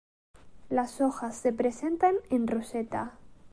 Las hojas se presentan en roseta.